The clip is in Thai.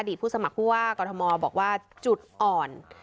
ผู้สมัครผู้ว่ากรทมบอกว่าจุดอ่อน